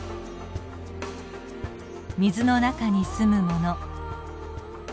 水の中に住むもの。